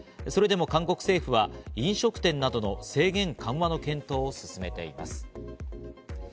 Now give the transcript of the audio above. それでも韓国政府は飲食店などの制限緩和の検討を進めています。